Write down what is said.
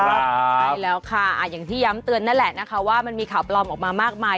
ใช่แล้วค่ะอย่างที่ย้ำเตือนนั่นแหละนะคะว่ามันมีข่าวปลอมออกมามากมาย